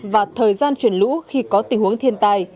và thời gian chuyển lũ khi có tình huống thiên tai